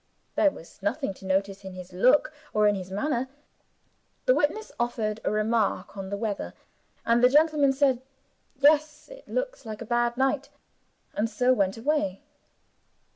There was nothing to notice in his look or in his manner. The witness offered a remark on the weather; and the gentleman said, "Yes, it looks like a bad night" and so went away.